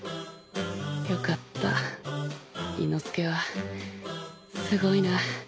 よかった伊之助はすごいな。